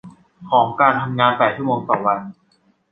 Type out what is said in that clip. ของการทำงานแปดชั่วโมงต่อวัน